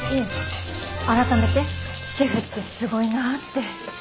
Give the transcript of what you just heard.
改めてシェフってすごいなって。